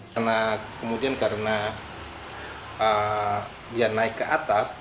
karena kemudian karena dia naik ke atas